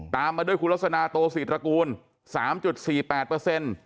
ตามมาด้วยคุณลักษณะโตศรีตระกูล๓๔๘เปอร์เซ็นต์